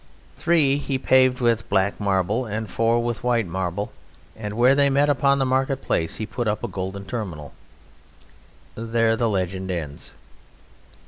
Three he paved with black marble and four with white marble, and where they met upon the market place he put up a golden terminal. There the legend ends.